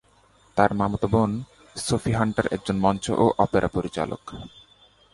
তার মামাতো বোন সোফি হান্টার একজন মঞ্চ ও অপেরা পরিচালক।